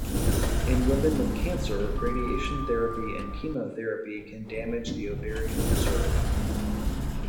In women with cancer, radiation therapy and chemotherapy can damage the ovarian reserve.